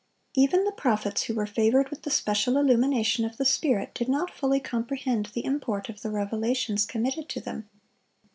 (572) Even the prophets who were favored with the special illumination of the Spirit, did not fully comprehend the import of the revelations committed to them.